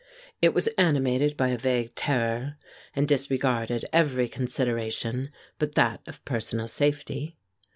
It was animated by a vague terror, and disregarded every consideration but that of personal safety.